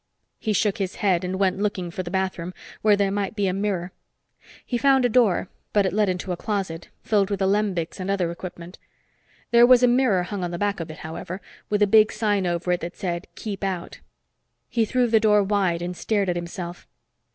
He shook his head and went looking for the bathroom, where there might be a mirror. He found a door, but it led into a closet, filled with alembics and other equipment. There was a mirror hung on the back of it, however, with a big sign over it that said "Keep Out." He threw the door wide and stared at himself.